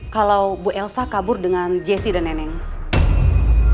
kalau bu elsa kabur dengan jesse dan nenek